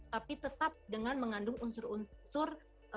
tapi tetap dengan mengandung unsur unsur